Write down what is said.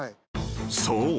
［そう。